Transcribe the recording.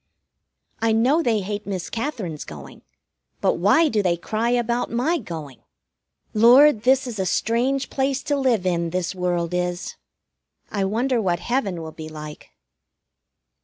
I know they hate Miss Katherine's going; but why do they cry about my going? Lord, this is a strange place to live in, this world is! I wonder what heaven will be like?